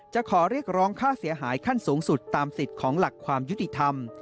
จะขอเรียกร้องค่าเสียหายขั้นสูงสุดตามสิทธิ์ของหลักความยุติธรรม